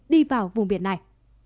đi vào vùng biển này